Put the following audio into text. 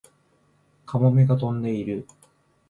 カモメが飛んでいる